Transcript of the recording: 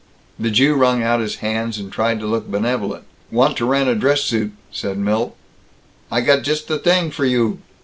The Jew wrung out his hands and tried to look benevolent. "Want to rent a dress suit," said Milt. "I got just the t'ing for you!"